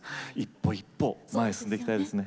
一歩一歩前に進んでいきたいですね。